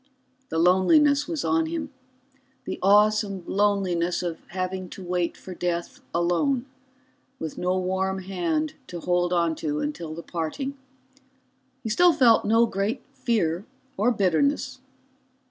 The loneliness was on him, the awesome loneliness of having to wait for death alone, with no warm hand to hold on to until the parting. He still felt no great fear or bitterness.